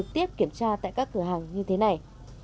tiếp kiểm tra tại các cửa hàng như thế này